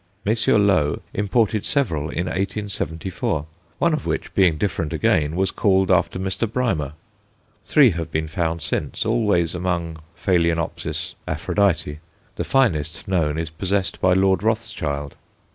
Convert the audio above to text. Messrs. Low imported several in 1874, one of which, being different again, was called after Mr. Brymer. Three have been found since, always among Ph. Aphrodite; the finest known is possessed by Lord Rothschild.